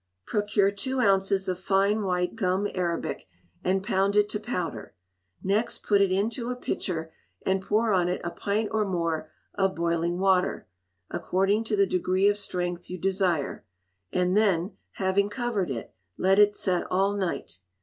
Procure two ounces of fine white gum arabic, and pound it to powder. Next put it into a pitcher, and pour on it a pint or more of boiling water, according to the degree of strength you desire, and then, having covered it, let it set all night.